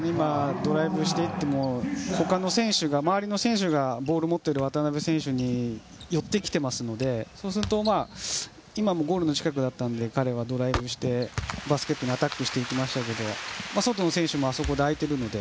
ドライブしていっても他の周りの選手がボールを持っている渡邊選手に寄ってきますのでそうすると今ゴールの近くだったので彼はドライブしてバスケットにアタックしていきましたが外の選手も空いているので。